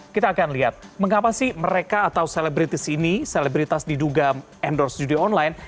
kita akan lihat mengapa sih mereka atau selebritis ini selebritas diduga endorse judi online